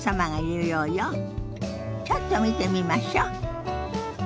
ちょっと見てみましょ。